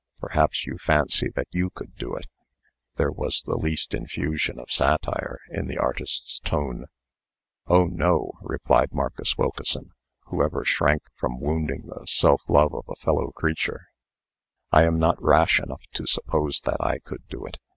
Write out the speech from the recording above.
Perhaps you fancy that you could do it." There was the least infusion of satire in the artist's tone. "Oh, no!" replied Marcus Wilkeson, who ever shrank from wounding the self love of a fellow creature. "I am not rash enough to suppose that I could do it.